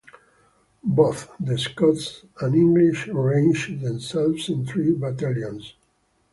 Both the Scots and English arranged themselves in three battalions.